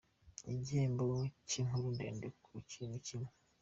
Igihembo cy’inkuru ndende ku kintu kimwe.